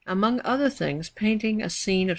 Among other things, painting a scene of S.